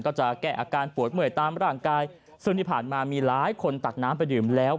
ก็จะแก้อาการปวดเมื่อยตามร่างกายซึ่งที่ผ่านมามีหลายคนตักน้ำไปดื่มแล้ว